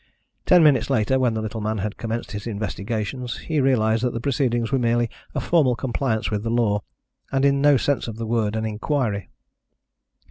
Ten minutes later, when the little man had commenced his investigations, he realised that the proceedings were merely a formal compliance with the law, and in no sense of the word an inquiry.